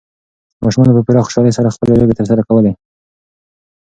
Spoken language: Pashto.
ماشومانو په پوره خوشالۍ سره خپلې لوبې ترسره کولې.